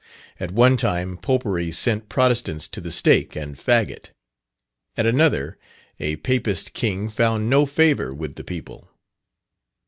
At one time Popery sent Protestants to the stake and faggot; at another, a Papist King found no favour with the people.